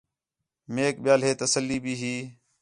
میک ٻِیال ہِے تسلی بھی ہی